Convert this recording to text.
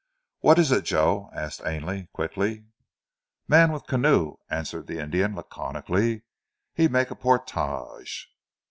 "What is it, Joe?" asked Ainley quickly. "Man with canoe," answered the Indian laconically. "He make a portage."